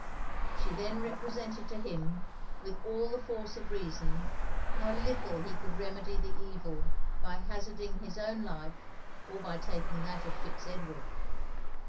She then represented to him, with all the force of reason, how little he could remedy the evil by hazarding his own life or by taking that of Fitz Edward.